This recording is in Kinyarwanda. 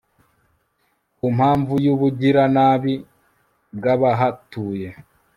ku mpamvu y'ubugiranabi bw'abahatuye